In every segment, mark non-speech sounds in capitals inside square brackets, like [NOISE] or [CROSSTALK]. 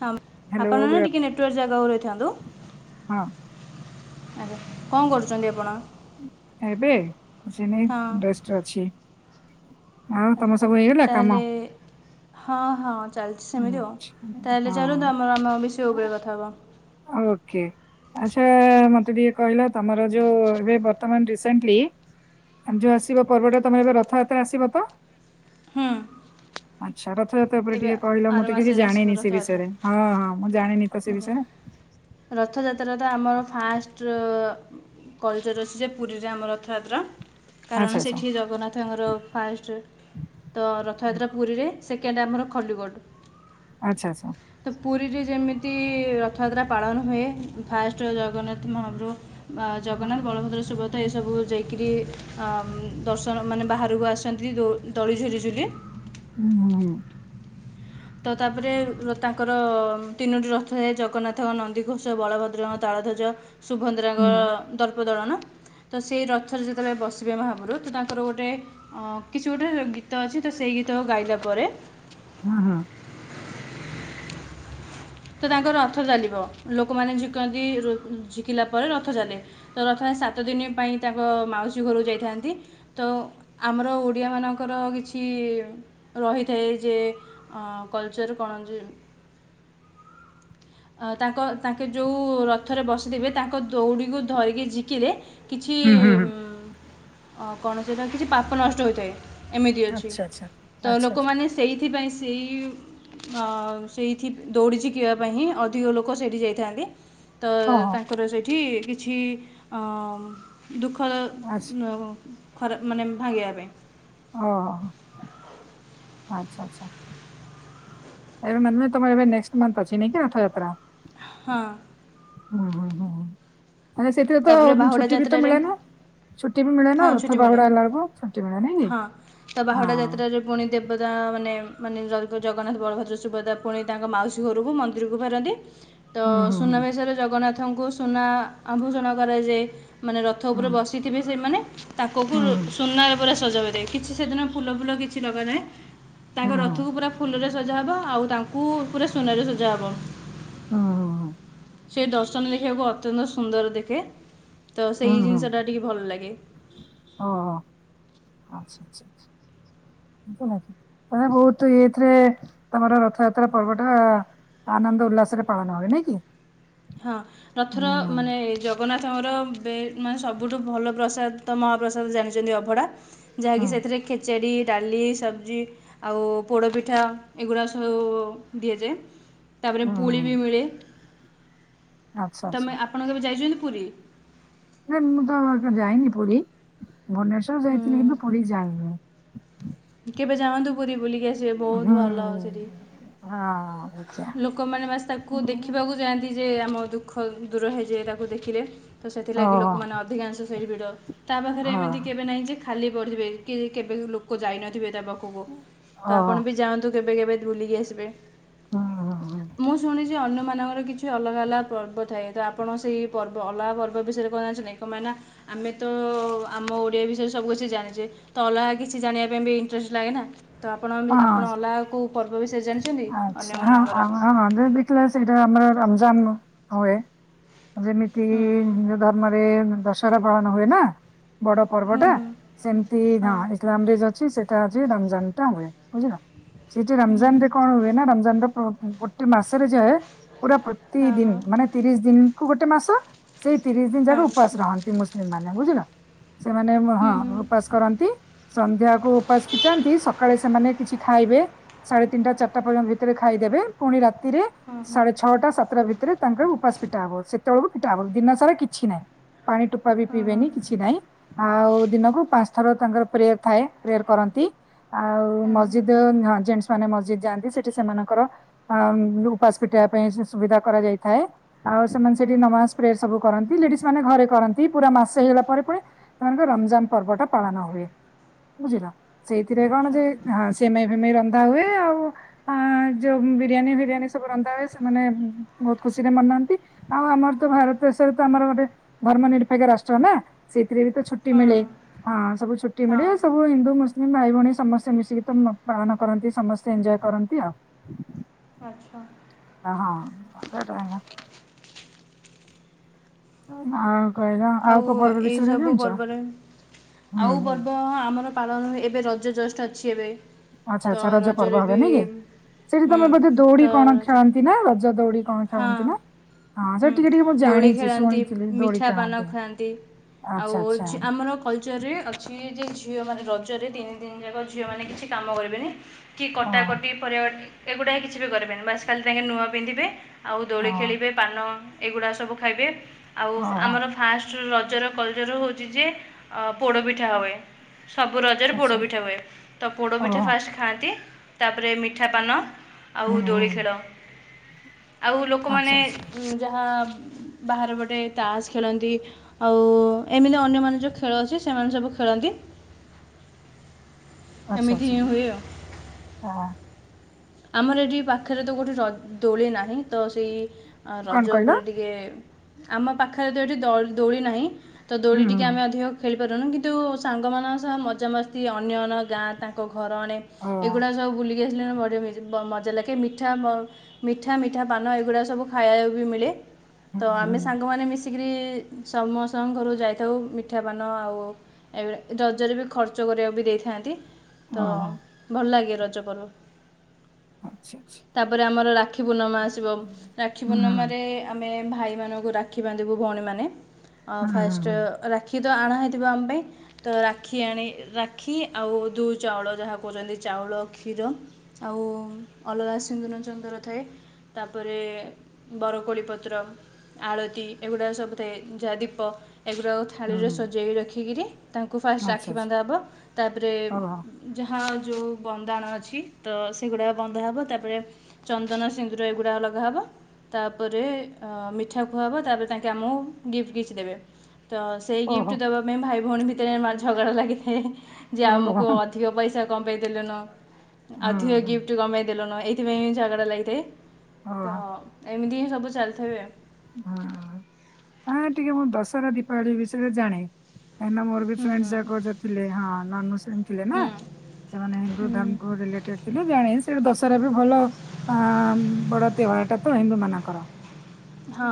ହଁ ହ୍ୟାଲୋ ଆପଣ ନା ଗୁଡ୍ ଆଫ୍ଟ ଟିକେ ନେଟୱାର୍ ଜାଗାକୁ ରହିଥାନ୍ତୁ। ହଁ ଆଛା କଣ କରୁଛନ୍ତି ଆପଣ? ଏବେ କିଛିନାଇ ହଁ ବେଷ୍ଟ ରେ ଅଛି। [UNINTELLIGIBLE] ଆଉ ଆଜ୍ଞା ତମ ସବୁ ହେଇଗଲା କାମ। ତା'ହେଲେ ହଁ ହଁ। ଚାଲିଛି ସେମିତି ଆଉ ଆଚ୍ଛା, ତାହେଲେ ଚାଲନ୍ତୁ ଆମେ ଆମ ବେଶୁ ରେ କଥା ହବା। କେ ଆଚ୍ଛା ମତେ ଟିକେ କହିଲ ତମର ଯୋଉ ଏବେ ବର୍ତ୍ତମାନ ରିସେଣ୍ଟଲି ଯୋଉ ଆସିବ ପର୍ବଟା ତମର ଏବେ ରଥଯାତ୍ରା ଆସିବ ତ। ହୁଁ। ଆଚ୍ଛା। ରଥ ଯାତ୍ରା ଉପରେ ଏବେ ଟିକେ ଆର ମୁଁ ତ କିଛି ମାସରେ ଆସିବ ଜାଣିନି ସେ ରଥଯାତ୍ରା ବିଷୟରେ ହଁ ହଁ ମୁଁ ଜା ରଥଯାତ୍ରା ତ ଆମ ଫାଷ୍ଟ କଲଚର ଅଛି ଯେ ପୁରୀରେ ଆମ ରଥଯାତ୍ରା। ଆଚ୍ଛା କାରଣ ଆଚ୍ଛା ସେଠି ଜଗନ୍ନାଥଙ୍କର ଫାଷ୍ଟ ତ ରଥଯାତ୍ରା ପୁରୀରେ। ସେକେଣ୍ଡ ଆମର ଖଣ୍ଡୁଗଡ଼। ଆଛା ଆଛା। ପୁରୀରେ ଯେମି ତି ରଥଯାତ୍ରା ପାଳନ ହୁଏ ଫାଷ୍ଟ ଜଗନ୍ନାଥ ମହାପ୍ରଭୁ ବା ହୁଁ ଜଗନ୍ନାଥ, ବଳଭଦ୍ର, ସୁଭ ତ ଏସବୁ ଯାଇକିରି ଆ ଦର୍ଶନ ମାନେ ବାହାରକୁ ଆସନ୍ତି ଦୋ ଦଳି ଝୁଲି ଝୁଲି। ହୁଁ। ତ ତାପରେ ତାଙ୍କର ତିନୋଟି ରଥ ଥାଏ। ଜଗନ୍ନାଥ ନନ୍ଦୀଘୋଷ ବଳଭଦ୍ର ତାଳଧ୍ୱଜ ହୁଁ ସୁଭଦ୍ରାଙ୍କ ଦର୍ପଦଳନ ତ ସେଇ ରଥରେ ଯେତେବେଳେ ବସିବେ ମହାପୁରୁ ତ ତାଙ୍କର ଗୋଟେ କିଛି ଗୋଟେ ଗୀତ ଅଛି ତ ସେଇ ଗୀତ ଗାଇଲା ପରେ ହଁ ହଁ। ତ ତାଙ୍କର ରଥ ଚାଲିବ ଲୋକମାନେ ଝିକନ୍ତି ଝିକିଲା ପରେ ରଥ ଚାଲେ ତ ରଥରେ ସାତ ଦିନ ପାଇଁ ତାଙ୍କ ମାଉସୀ ଘରକୁ ଯାଇଥାନ୍ତି ତ ଆମର ଓଡ଼ିଆମାନଙ୍କର କିଛି ରହିଥାଏ ଯେ କଲଚର କଣ ଯେ ଅ ତାଙ୍କ ତାଙ୍କେ ଯୋଉ ର ରଥରେ ବସିଥିବେ ତାଙ୍କ ଦୌଡିକୁ ଧରିକି ଝି କିରେ କିଛି ହୁଁ ହୁଁ ହୁଁ। ଉଁ ଅ କଣ ସେଟା କିଛି ପାପ ନଷ୍ଟ ହୋଇଥାଏ। ଏମିତି ଅଛି ଆଚ୍ଛା ଆଚ୍ଛା ତ ଆଚ୍ଛା ଆଚ୍ଛା ଲୋକମାନେ ସେଇଥିପାଇଁ ସେଇ ଆ ସେଇଥି ଦୌଡ଼ି ଝିକିବା ପାଇଁଁ ହିଁ ପ୍ରିଅ ଲୋକ ସେଇଠି ଯାଇଥାନ୍ତି। ତ ଓହୋ ତାଙ୍କର ସେଇଠି କିଛି କିଛି ଅମ ଦୁଃଖ ଆଚ୍ଛା ନ ଖରା ମାନେ ଭାଙ୍ଗିବା ପାଇଁ ଓହୋ ହଁ ଆଚ୍ଛା ଆଚ୍ଛା ଏବେ ମାନ ମେ ତମର ଏବେ ନେକ୍ସଟ୍ ମନ୍ଥ ଅଛି ନାଇଁ କି ରଥଯାତ୍ରା? ହଁ। ହୁଁ ହୁଁ ହୁଁ ଆ ସେଥିରେ ତ ତା'ପରେ ବାହୁଡ଼ା ଛୁଟି ବି ତ ଯାତ୍ରାରେ ମିଳେନା ଛୁଟି ବି ହଁ ମିଳେନା ରଥ ଛୁଟି ମିଳେ ବାହୁଡା ହେଲା ବେଳକୁ ଛୁଟି ମିଳେ ନାଇଁ ହଁ ତ କି ବାହୁଡ଼ା ହଁ ଯାତ୍ରାରେ ପୁଣି ଦେବତା ମାନେ ମାନେ ଜଗନ୍ନାଥ ବଳଭଦ୍ର ସୁଭଦା ପୁଣି ତାଙ୍କ ମାଉସୀ ଘରକୁ ମନ୍ଦିରକୁ ଫେରନ୍ତି। ତ ହୁଁ ହୁଁ ସୁନାବେଶରେ ଜଗନ୍ନାଥ ତାଙ୍କୁ ସୁନା ଆଭୂଷଣ କରାଯାଏ। ମାନେ ରଥ ହୁଁ ଉପରେ ବସିଥିବେ ସେମାନେ ତାଙ୍କକୁ ହୁଁ ସୁନାରେ ପୁରା ସଜ କରିବେ କିଛି ସେଦିନ ଫୁଲ ଫୁଲ କିଛି ଲଗା ନାଇଁ ହୁଁ ହୁଁ ହୁଁ ତାଙ୍କ ହୁଁ ରଥକୁ ପୁରା ଫୁଲରେ ସଜା ହବ ଆଉ ତାଙ୍କୁ ପୁରା ସୁନାରେ ସଜା ହବ। ହଁ ହଁ ହଁ। ସେଇ ଦର୍ଶନ ଦେଖିବାକୁ ଅତ୍ୟନ୍ତ ସୁନ୍ଦର ଦେଖେ ତ ହୁଁ ସେଇ ଜିନିଷ ଟା ହୁଁ ଟିକେ ଭଲ ଲାଗେ। ଆଛା ଆଛା ବହୁତ ଏଇଥିରେ ତମର ରଥଯାତ୍ରା ପର୍ବ ଟା ଆନନ୍ଦ ଉଲ୍ଲାସରେ ପାଳନ ହୁଏ ନାଇଁ କି। ହଁ ରଥର ହୁଁ ମାନେ ଜଗନ୍ନାଥଙ୍କର ବେ ମାନେ ସବୁଠୁ ଭଲ ପ୍ରସାଦ। ତ ମହାପ୍ରସାଦ ଜାଣିଛନ୍ତି ଅଭଡା। ହୁଁ ଯାହାକି ସେଥିରେ ଖେଚେଡି ଡାଲି ସବଜି ଆଉ ପୋଡ଼ପିଠା ଏଗୁଡ଼ା ସବୁ ଦିଆଯାଏ। ତାପରେ ପୁଳି ହୁଁ ବି ମିଳେ ଆଚ୍ଛା ଆଚ୍ଛା ତମେ ଆପଣ କେବେ ଯାଇଛନ୍ତି ପୁରୀ ନାଇଁ ମୁଁ ତ ଏବର୍ଷ ଯାଇନି ପୁରୀ ଭୁବନେଶ୍ବର ହୁଁ, ଯାଇଥିଲି କିନ୍ତୁ ପୁରୀ ଯାଇନିଁ। କେବେ ଯାନ୍ତୁ ପୁରୀ ବୁଲି କି ଆସିବେ ବହୁତ ଭଲ ସେଠି। ଲୋକମାନେ ବାସ ତାକୁ ଦେଖିବାକୁ ଯାଆନ୍ତି। ଯେ ଆମ ଦୁଃଖ ଦୂର ହେଇଯାଏ ତାକୁ ଦେଖିଲେ। ତ ସେଥିଲାଗି ଲୋକମାନେ ଅଧିକାଂଶ ସେଇ ଭିଡ଼ ତା ପାଖରେ ଏମିତି କେବେ ନାହିଁ ଯେ ଖାଲି ବଢିବେ କି କେବେ ଲୋକ ଯାଇନଥିବେ। ତା ପାଖକୁ ତ ଆପଣ ବି ଯାଆନ୍ତୁ କେବେ କେବେ ବୁଲିକି ଆସିବେ। ମୁଁ ଶୁଣିଛି ଅନ୍ୟ ମାନଙ୍କର କିଛି ଅଲଗା ଅଲଗା ପର୍ବ ଥାଏ ତ ଆପଣ ସେଇ ପର୍ବ ଅଲଗା ପର୍ବ ବିଷୟରେ କଣ ଜାଣିଛନ୍ତି ନା କମାନେ ନା ଆମେ ତ ଆମ ଓଡିଆ ବିଷୟରେ ସବୁ କିଛି ଜାଣିଛେ ତ ଅଲଗା କିଛି ଜାଣିବା ପାଇଁ ବି ଇଂଟରେଷ୍ଟ ଷ୍ ଲାଗେ ନା ତ ଆପଣ ବି ଆପଣ ଅଲଗା କୋଉ ପର୍ବ ବିସୟ ରେ ଜାଣିଛନ୍ତି ଆ ଅନ୍ୟମାନଙ୍କ ହଁ ଯୋଉ ଦେଖିଲ ସେଇଟା ଆମର ଜାନୁ ହୁଏ। ଯେମିତି ହିନ୍ଦୁ ଧର୍ମରେ ଦସ ଚା ବଳନ ହଏ ନା। ବଡ ପର୍ବ ହୁଁ ଟା ହୁଁ ସେମିତି ହଁ ଇସଲାମ ରେ ଅଛି ସେ ତ ଆଜି ରମଜାନ ଟା ହୁଏ। ବୁଝିଲ ସେଇଠି ହୁଁ ରମଜାନ ରେ କଣ ହୁଏ ନା ରମଜାନ ର ଗୋଟେ ମାସରେ ଯାଏ। ପୁରା ହୁଁ ପ୍ରତିଦିନ ମାନେ ତିରିଶ ଦିନ। ହୁ ଗୋଟେ ମାସ। ସେଇ ତିରିଶ ଦିନ ଯାକ ହଁ ହଁ ହଁ ଉପାସ ରହନ୍ତି ମୁସଲିମ ମାନେ। ଲାଗୁଛିନା ସେମାନେ ହଁ ହୁଁ ଉପାସ କରନ୍ତି ସନ୍ଧ୍ୟାକୁ ଉପାସ ଫିଟାନ୍ତି ସକାଳେ କିଛି ଖାଇବେ ସାଢେ ତିନିଟା ଚାରିଟା ପର୍ଯ୍ୟନ୍ତ ଭିତରେ ଖାଇଦେବେ ପୁଣି ରାତି ରେ ହୁଁ ହଁ ସାଢେ ଛଅଟା ସାତଟା ଭିତରେ ତାଙ୍କର ଉପାସ ଫିଠା ହବ ସେ କେତେବେଳକୁ ଫିଟାହବ ଦିନ ସାରା କିଛି ନାହିଁ। ପାଣି ଟୋପା ବି ହଁ ପିଇବେନି କିଛି ନାଇଁ ଆଉ ଦିନକୁ ପାଞ୍ଚ ଥର ତାଙ୍କର ପ୍ରେୟର ଥାଏ ପ୍ରେୟର କରନ୍ତି ହଁ ଆଉ ହଁ ମସ୍ଜିଦ୍ ହଁ ଜ ମା ନେ ମସ୍ଜିଦ ଯାଆନ୍ତି ସେଠି ସେମାନଙ୍କର ଉପାସ ଫିଟବା ପାଇଁ ସୁବିଧା କରାଯାଇଥାଏ ଆଉ ସେମାନେ ହଁ ସେଠି ହଁ ନମାଜପ୍ରେ ସବୁ କରନ୍ତି ଲେଡି ମାନେ ଘରେ କରନ୍ତି ପୁରା ମାସ ହେଇଗଲା ପରେ ପୁ ସେମାନଙ୍କ ରମଜାନ ପର୍ବ ଟା ପାଳନ ହୁଏ ବୁଝିଲ ସେଇ କ ଣ ଆଚ୍ଛା ଯେ ହଁ ସିମେଇ ଫିମେଇ ର ରନ୍ଧା ହୁଏ ଆଉ ଯୋଉ ବିରିୟାନୀ ଫିରିୟାନୀ ସବୁ ରନ୍ଧା ହୁଏ ସେମାନେ ବହୁତ ଖୁସିରେ ମନାନ୍ତି ଆଉ ଆମର ତ ଭାରତ ଦେଶରେ ତ ଆମର ଗୋଟେ ଧର୍ମ ନିରପେକ୍ଷ ରାଷ୍ଟ୍ର ନା। ସେଥିରେ ବି ତ ଛୁଟି ହଁ ହଁ ମିଳେ ହଁ ସବୁ ଛୁଟି ମିଳେ ହଁ ସବୁ ହିନ୍ଦୁ ମୁସଲି ମୁଁଭାଇ ଭଉଣି ସେ ସମସ୍ତେ ମିଶିକି ତ ପାଳନ କରନ୍ତି ସମସ୍ତେ ଏଞ୍ଜୟ କରନ୍ତି ଆଉ ଆଚଛା ହଁଟ ହଁ ଆଉ ଏଇ ସବୁ ପର୍ବରେ ହୁଁ ଆଉ ହୁଁ ପର୍ବ ଆମର ପାଳନ ହୁ ଏବେ ରଜ ଯଷ୍ଟ ଅଛି ଏବେ। ଆଚ୍ଛା ତ ଆଚ୍ଛା ରଜ ରଜରେ ପର୍ବ ହବ ବି ନାଇଁ କି ସେଠି ହୁଁ ତମେ ବୋଧେ ଦୌଡି ତ କଣ ରଜ ଖେଳନ୍ତି ନା ରଜ ଦୌଡି କଣ ଖେଳନ୍ତି ହଁ ନା ହଁ ସେ ହୁଁ ଟିକେ ଟିକେ ମୁଁ ଦୋଳି ଜାଣିଛି ଖେଳନ୍ତି ଶୁଣିଥିଲି ଦୋଳି ମିଠା ପାନ ଖେଳନ୍ତି ଖୁଆନ୍ତି ଆଉ ଆଚ୍ଛା ଆଚ୍ଛା ଆମର କଲଚରରେ ଅଛି ଏ ଯଉ। ଝିଅ ମାନେ ରଜରେ ତିନି ଦତିନି ଯାକ ଝିଅ ମାନେ କିଛି କାମ କରିବେନି। କି ଓ କଟାକଟି ପରିବା ଏଗୁଡାକ କିଛି ବି କରିବନି ବାସ କାଲି ତାଙ୍କେ ନୂଆ ପିନ୍ଧିବେ ଆଉ ଦୋଳି ହଁ ଖେଳିବେ। ଏଇଗୁଡା ସବୁ ଖାଇବେ। ଆଉ ହଁ ହଁ ଆମର ଫାଷ୍ଟ ରଜର କଲଚର ହଉଛି ଯେ ପୋଡ ପିଠା ହୁଏ। ସବୁ ରଜରେ ଆଚ୍ଛା ପୋଡପିଠା ହୁଏ ତ ପୋଡପିଠା ଓହୋ ଫାଷ୍ଟ ଖାଆନ୍ତି। ତାପରେ ମିଠା ପାନ ଆଉ ହୁଁ ହୁଁ ଦୋଳି ଖେଳ ଆଉ ଲୋକମାନେ ଆଚ୍ଛା ଆଚ୍ଛା ଯାହା ବାହାର ପଟେ ତାସ୍ ଖେଳନ୍ତି। ଆଉ ଏମିତି ଅନ୍ୟମାନେ ଯେଉଁ ଖେଳ ଅଛି ସେମାନେ ସବୁ ଖେଳନ୍ତି। ଆଛା ଆଛା ଏମିତି ହିଁ ଦ ହୁଏ ଆଉ ହଁ ଆମର ଏଠି ପାଖରେ ତ କୋଉଠି ର ଦୋଳି ନାହିଁ ତ ସେଇ କଣ ରଜ କହିଲ ଉପରେ ଟିକେ ଆମ ପାଖରେ ତ ଏଇଠି ଦଳ ଦୋଳି ନାହିଁ। ତ ହୁଁ ଦୋଳି ହୁଁ ଟିକେ ହୁଁ। ଆମେ ଅଧିକ ଖେଳୁ ପାରୁନୁ କିନ୍ତୁ ସାଙ୍ଗମାନଙ୍କ ସହ ମଜାମସ୍ତି ଅନ୍ୟ ଗାଁ ତାଙ୍କ ଘର ଆଣେ ଓ ଏଗୁଡା ସବୁ ବୁଲି [UNINTELLIGIBLE] ମଜା ଲାଗେ ମିଠା ମ ମିଠା ମିଠା ପାନ ଏଗୁଡ଼ା ସବୁ ଖାଇବାକୁ ବି ମିଳେ ହୁଁ ତ ହୁଁ ଆମେ ହୁଁ। ସାଙ୍ଗମାନେ ମିଶ ଏତିକରି ସମସ୍ତଙ୍କ ଘର ଯାଇଥାଉ ମିଠାପାନ ଆଉ ଏଳି ରଜରେ ବି ଖର୍ଚ୍ଚ କରିବାକୁ ବି ଦେଇଥାନ୍ତି। ତ ଓହୋ ଭଲ ଲାଗେ ରଜ ପର୍ବ ଆଚ୍ଛା ଆଚ୍ଛା ତାପରେ ଆମର ରାକ୍ଷୀ ପୂର୍ଣ୍ଣମା ଆସିବ ହୁଁ ରାକ୍ଷୀ ହୁଁ ପୂର୍ଣ୍ଣିମାରେ ଆମେ ଭାଇ ମାନଙ୍କୁ ରାଖି ବାନ୍ଧିବୁ ଭଉଣୀମାନେ ଅ ହୁଁ ହୁଁ ହୁଁ ଫାଷ୍ଟ ହୁଁ ରାକ୍ଷି ତ ଆଣା ହେଇଥିବ ଆମ ପାଇଁ ତ ରାକ୍ଷୀ ଆଣି ରାକ୍ଷୀ ଆଉ ଦୁଇ ଚାଉଳ ଯାହା କହୁଛନ୍ତି ଚାଉଳ କ୍ଷୀର ଆଉ ଅଲଗା ସିନ୍ଦୁର ଚନ୍ଦର ଥାଏ। ତାପରେ ବରକୋଳି ପତ୍ର ଆଳତି ଏଗୁଡ଼ାକ ସବୁ ଥାଏ ଯାହା ଦୀପ ଏଗୁଡ଼ା ଥାଳିରେ ହୁଁ। ସଜେଇ ରଖିକିରି ତାଙ୍କୁ ଫାଷ୍ଟ ଆକ୍ଷୀ ଆଚ୍ଛା ଆଚ୍ଛା ବାନ୍ଧା ହେବ ତାପରେ ଓହୋ ଯାହା ଯେଉଁ ବନ୍ଦାଣ ଅଛି ତ ସେଗୁଡ଼ାକ ବନ୍ଦ ହବ ତାପରେ ଚନ୍ଦନ ସିନ୍ଦୁର ଏଗୁଡ଼ାକ ଲଗାହେବ। ତାପରେ ମିଠା ଖୁଆହେବ ତାପରେ ତାଙ୍କେ ଆମକୁ ଗିଫ୍ଟ କିଛି ଦେବେ। ତ ସେଇ ଓହୋ ଗିଫ୍ଟ ଦବା ପାଇଁ ଭାଇ ଭଉଣୀ ଭି ମା ଝଗଡ଼ା ଲାଗିଥାଏ। ଯେ ଓହୋ ଆମକୁ ଅଧିକ ପଇସା କମ୍ଇ ଦେଲେନ ହୁଁ ଅଧିକ ହୁଁ ଗିଫ୍ଟ କଣ ପାଇ ଦେଲୁ ନୁଁ ଏଇଥିପାଇଁ ବି ଝାଗଡ଼ା ଲାଗିଥାଏ ଓହୋ ତ ଏମିତି ହିଁ ସବୁ ଚାଲିଥିବେ ହଁ ହ ଟିକେ ମୁଁ ଦଶହରା ଦୀପାବଳି ବିଷୟରେ ଜାଣେ କାଁହିଁକି ନା ମୋର ବି ଫ୍ରେଣ୍ଡସ୍ ହୁଁ ଯାକ ଥିଲେ ହଁ। ମାନୁସ୍ [UNINTELLIGIBLE] ଥିଲେ ନା ସେମାନେ ହିନ୍ଦୁ ହୁଁ ଧର୍ମ କ ରିଲେଟେଡ ଥିଲେ ଜଣେଶ ସେ ଦଶହରା ବି ଭଲ ଅ ବଡ ତେହ୍ୱାରଟା ତ ହିନ୍ଦୁ ମାନଙ୍କର। ହଁ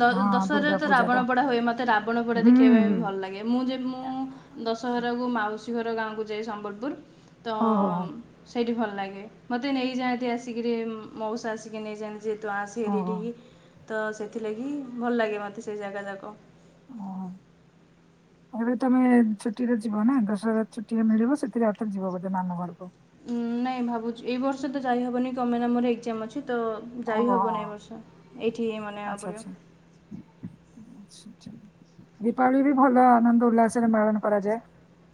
ଦସ୍ ହଁ ଦୁର୍ଗା ଦଶହରାରେ ତ ପୂଜା ରାବଣ ଟା ପୋଡା ହୁଏ। ମତେ ରାବଣ ପୋଡା ହୁଁ ଦେଖିବା ହୁଁ। ପାଇଁ ଭଲ ଲାଗେ ମୁଁ ଯେ ମୁଁ ଦଶହରାକୁ ମାଉସୀ ଘର ଗାଁକୁ ଯାଏ ସମ୍ବଲପୁର। ତ ଓହୋ ହୋ ସେଇଠି ଭଲ ଲାଗେ ମୋତେ ନେଇଯାଆନ୍ତି ଆସିକିରି ମଉସା ଆସିକି ନେଇଯାଆ ଯେ ତୁ ଆସ ଏଠ ହୋ ହୋ। ଏଠିକି। ତ ସେଥିଲାଗି ଭଲ ଲାଗେ ମୋତେ ସେଇ ଜାଗା ଯାକ ଓହୋ ଏବେ ତୋମେ ଛୁଟିରେ ଯିବ ନା ଦଶହରା ଛୁଟିରେ ମିଳିବ ସେଥିରେ ଆଉ ଥରେ ଯିବ ବୋଧେ ମାମୁଁ ଘରକୁ। ଉଁ, ନାଇଁ ଭାବୁଚି ଏଇ ବର୍ଷ ତ ଯାଇ ହେବନି କଣ ପାଇଁ ନା ମୋର ଏକଜାମ୍ ଅଛି। ତ ଯାଇ ଓହୋ ହବନି ଏ ବର୍ଷ ଏଇଠି ମନେଇ ଆକୁ ଆଚ୍ଛା ଆଚ୍ଛା। ପଡ଼ିବ। ଦୀପାବଳି ବି ଭଲ ଆନନ୍ଦ ଉଲ୍ଲାସରେ ପାଳନ କରାଯାଏ।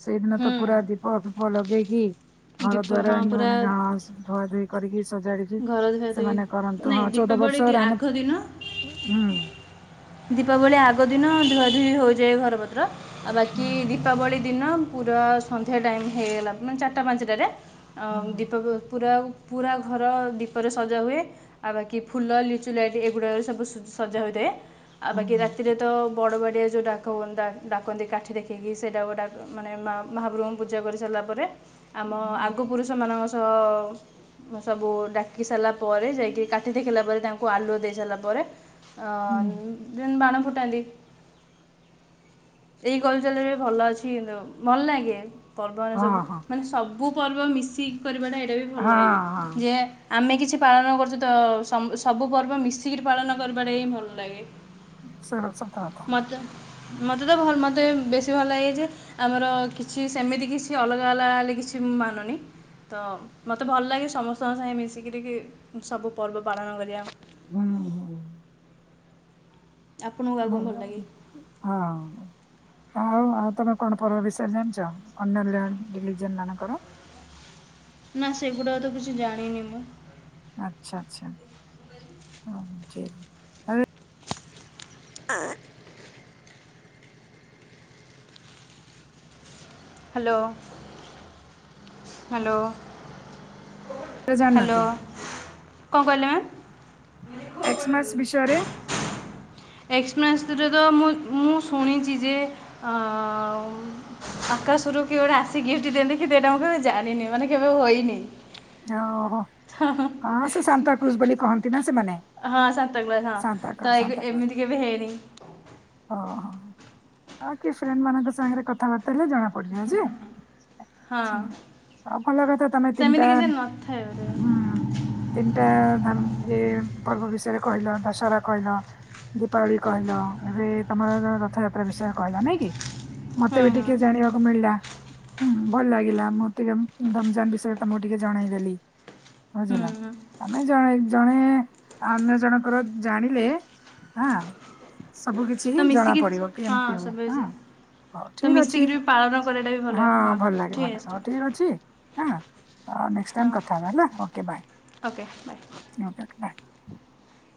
ସେଇଦିନ ହୁଁ ତ ପୁରା ଦୀପ ଫିପ ଲଗେଇ ହି। ଘର ଦୀପ ଦ୍ୱାର ହଁ ଏମତି ପୁରା ମାନେ ଗାଁ ସ-ଧୁଆ ଧୁଇ କରିକି ସଜାଡିଚି ଘର ଧୁଆ ଧୁଇ ସେମାନେ କରନ୍ତୁ ହଁ ନାଇଁ ଚଉଦ ଦୀପାବଳି ବର୍ଷ ଦି- ରାମ ଆଗ ଦିନ ହୁଁ ଦୀପାବଳି ଆଗ ଦିନ ଧୁଆ ଧୁଇ ହୋଇଯାଏ ଘର ପତ୍ର। ଆଉ ହୁଁ ବାକି ଦୀପାବଳି ଦିନ ପୁରା ସନ୍ଧ୍ୟା ଟାଇମ୍ ହେଇଗଲା ମାନେ ଚାଟା ପାଞ୍ଚଟାରେ ଅ, ହୁଁ ଦୀପକୁ ପୁରା ପୁରା ଘର ଦୀପରେ ସଜା ହୁଏ, ଆଉ ବାକି ଫୁଲ ଲିଚୁ ଲାଇଟ୍ ଏଗୁଡାକରେ ସବୁ ସ-ସଜା ହୋଇଥାଏ। ଆଉ ହୁଁ ବାକି ହୁଁ ରାତିରେ ତ ବଡ ବଡ଼ିଆ ଯୋଉ ଡାକ ହୁଅନ୍ତା, ଡାକନ୍ତି କାଠି ଦେଖିଇକି ସେଟା ଗୋଟାକୁ ମାନେ ମା- ମହାପ୍ରଭୁଙ୍କୁ ପୂଜା କରିସାରିଲା ପରେ ଆମ ଆଗ ପୁରୁଷ ମାନଙ୍କ ତ ସବୁ ଡାକି ସାରିଲା ପରେ ଯାଇକି କାଠ ଦେଖେଇଲା ପରେ ତାଙ୍କୁ କୁ ଆଲୁଅ ଦେଇ ସାରିଲା ପରେ ଅଁ, ଉଁ। ବାଣ ଫୁଟାନ୍ତି। ଏଇ ଗଲଚାଲରେ ଭଲ ଅଛି କିନ୍ତୁ ଭଲ ଲଗେ। ପର୍ବ ମାନ ହଁ ସବୁ ହଁ ମାନେ ସବୁ ପର୍ବ ମିଶିକି କରିବାଟା ଏଇଟା ବି ଭଲ ହଁ ଲାଗେ ହଁ ଯେ ଆମେ କିଛି ଛି ପାଳନ କରୁଚ ତ ସମ୍ ସବୁ ପର୍ବ ମିଶିକିରି ପାଳନ କରିବାଟା ହିଁ ଭଲ ଲାଗେ। ସ-ସତ କଥା। ମତ ମୋତେ ତ ଭଲ ମୋତେ ବେଶୀ ଭଲ ଲାଗେ ଯେ ଆମର କିଛି ସେମିତି କିଛି ଅଲଗା ଅଲଗା ହେଲେ କିଛି ମୁଁ ମାନୁନି ତ ମୋତେ ଭଲ ଲାଗେ ସମସ୍ତଙ୍କ ସାଙ୍ଗେ ମିଶିକ ସବୁ ପର୍ବ ପାଳନ କରିବା। ହଁ ହ ଆପଣଙ୍କୁ ଆଉ କ'ଣ ଭଲ ଲାଗେ ହଁ‌। ହଉ ଆଉ ତମେ କଣ ପର୍ବ ବିଷୟରେ ଜାଣିଛ ଅନ୍ୟ ରିଲ ରିଲିଜିଅନ ମାନଙ୍କର? ନା ସେଗୁଡା ଆଉ ତ କିଛି ଜାଣିନି ମୁଁ। ଆଛା ଆଚ୍ଛା ହ ଯେ ଆଁ। Hello hello. ଏଗୁଡା ଜାଣିନ ହ୍ୟାଲୋ। କି? କଁ କହିଲେ ମ୍ୟାମ୍? ଏକ୍ସ୍ ମାସ ବିଷୟରେ ଏକ୍ସମାସ୍ ରେ ତ ମୁଁ ମୁଁ ଶୁଣିଛି ଯେ ଆକାଶରୁ କି ଗୋଟେ ଆସି ଗିଫ୍ଟ ଦିଅନ୍ତି କି ସେଇଟା ମୁଁ କେବେ ଜାଣିନି ମାନେ କେବେ ହୋଇନି। ଓହୋ ହଁ ସେ ସାନ୍ତାକ୍ଲୁଜ୍ ବୋଲି କହନ୍ତି ନା? ସେମାନେ ହଁ ସନ୍ତା କ୍ଲାସ ହଁ ତ ସାନ୍ତାକ୍ରୁଜ ଏ ସାନ୍ତାକ୍ରୁଜ ଏମିତି କେବେ ହେଇନି। ହଉ କି ଫ୍ରେଣ୍ଡ ମାନଙ୍କ ସାଙ୍ଗରେ କଥାବାର୍ ଲେ ଜଣା ପଡଛି ଆ ହଁ କିଛି ନା ଆଉ କଲ କଥା ତମେ ତିନିଟା ସେମିତି କିଛି ନଥାଏ ବୋଧେ ହୁଁ ତିନିଟା ଧର ଯେ ପର୍ବ ବିଷୟରେ କହିଲ, ଦଶହରା କହିଲ, ଦୀପାବଳି କହିଲ, ଏବେ ତମର ରଥଯାତ୍ରା ବିଷୟରେ କହିଲ ନାଇଁ କି? ମତେ ହଁ ବି ହଁ ଟିକେ ଜାଣିବାକୁ ମିଳିଲା। ହୁଁ ଭଲ ଲାଗିଲା ମଁ ଟିକେ ରମଜାନ ବିଷୟରେ ତମକୁ ଟିକେ ଜଣେଇ ଦେଲି। ହୁଁ ବୁଝିଲ ହୁଁ ଆମେ ଜଣେ ଜଣେ ଅନ୍ୟ ଜଣଙ୍କର ଜାଣିଲେ ହଁ ସବୁ କିିଛି ତ ଜଣା ମିଶିକି ପଡ଼ିବ କି ହଁ ଏମତି ହୁଏ ସବୁ ହଁ କିଛି ହଉ ତ ଠିକ ଅଛି ମିଶିକିରି ବି ପାଳନ କରିବାଟା ବି ହଁ ଭଲ ଲାଗେଲ ଠିକ୍ ଅଛି ହଉ ଠିକ ଠିକ୍ ଅଛି ଅଁ ହଁ ନେସ୍ ଟାଇମ୍ କଥା ହେ ହେଲା ଓକେ ବାଏ। Okay bye [INAUDIBLE]